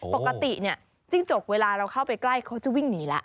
ปกติเนี่ยจิ้งจกเวลาเราเข้าไปใกล้เขาจะวิ่งหนีแล้ว